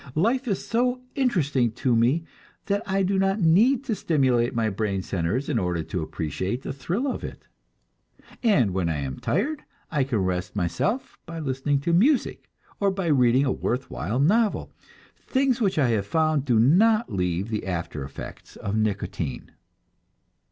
Life is so interesting to me that I do not need to stimulate my brain centers in order to appreciate the thrill of it. And when I am tired, I can rest myself by listening to music, or by reading a worth while novel things which I have found do not leave the after effects of nicotine.